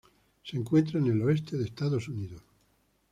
Se encuentra en el oeste de Estados Unidos.